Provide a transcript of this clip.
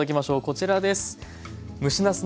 こちらです。